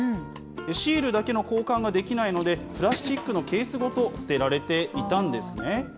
シールだけの交換ができないので、プラスチックのケースごと捨てられていたんですね。